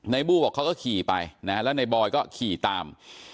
นายบู่บอกเขาก็ขี่ไปแล้วนายบอยก็ขี่ตาม